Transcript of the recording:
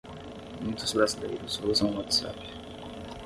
Muitos brasileiros usam o WhatsApp.